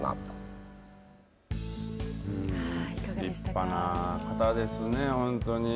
立派な方ですね、本当に。